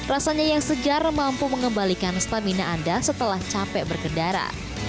rasanya yang segar mampu mengembalikan stamina anda setelah capek berkendara